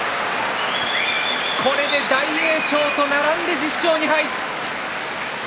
これで大栄翔と並んで１０勝２敗。